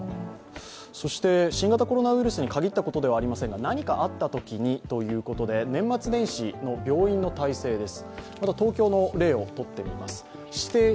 そして、新型コロナウイルスに限ったことではありませんが何かあったときにということで年末年始の病院の体制です。